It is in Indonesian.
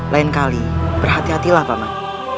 lain kali berhati hatilah pak mak